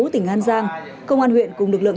tỉnh an giang công an huyện cùng lực lượng